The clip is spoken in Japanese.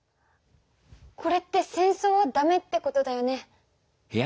これって戦争はダメってことだよね？